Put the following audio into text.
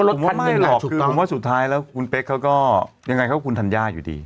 ท่านไม่หรอกคือผมว่าสุดท้ายแล้วคุณเป๊กเขาก็ยังไงเขาก็คุณธัญญาอยู่ดี